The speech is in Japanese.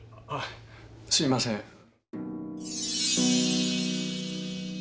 あっすいません。